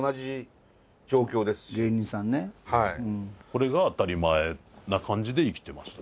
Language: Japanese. これが当たり前な感じで生きてましたね。